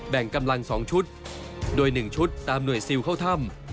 แบ่งกำลัง๒ชุดโดย๑ชุดตามหน่วยซิลเข้าถ้ำ